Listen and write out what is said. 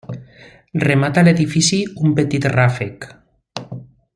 Remata l'edifici un petit ràfec.